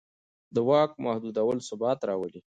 د واک محدودول ثبات راولي